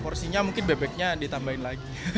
porsinya mungkin bebeknya ditambahin lagi